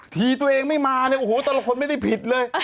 ทีตัวเองไม่มาตัวละคนไม่ได้ผิดเลย